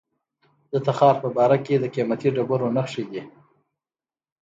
د تخار په بهارک کې د قیمتي ډبرو نښې دي.